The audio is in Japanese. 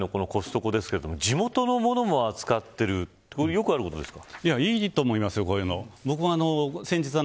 今回のコストコですが地元のものも扱っているよくあることですか。